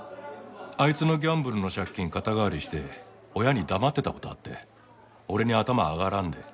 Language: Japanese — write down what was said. あいつのギャンブルの借金肩代わりして親に黙ってた事あって俺に頭上がらんで。